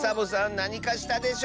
なにかしたでしょ